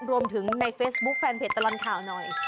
รวมถึงในเฟซบุ๊คแฟนเพจตลอดข่าวหน่อย